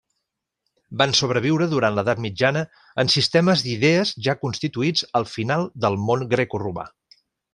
Van sobreviure durant l'Edat Mitjana en sistemes d'idees ja constituïts al final del món grecoromà.